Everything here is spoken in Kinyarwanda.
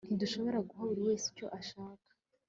ntidushobora guha buri wese icyo ashaka